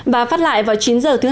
và phát lại vào chín h thứ hai